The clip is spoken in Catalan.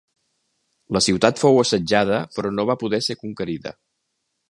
La ciutat fou assetjada però no va poder ser conquerida.